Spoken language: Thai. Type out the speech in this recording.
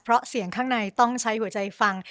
เพราะเสียงข้างในต้องใช้หัวใจฟัง